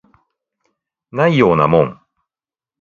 ないようなもん